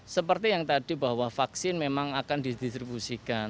seperti yang tadi bahwa vaksin memang akan didistribusikan